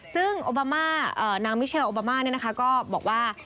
ซึ่งโอบามานางมิเชลโอบามาก็บอกว่า